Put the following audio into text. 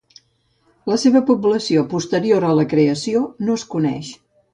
La seva població posterior a la creació no es coneix.